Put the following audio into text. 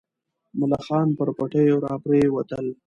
ملخان پر پټیو راپرېوتل.